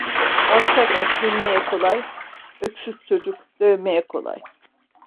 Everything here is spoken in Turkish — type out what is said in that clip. Alçak at binmeye kolay, öksüz çocuk dövmeye kolay.